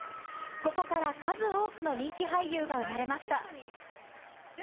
ここから数多くの人気俳優が生まれました。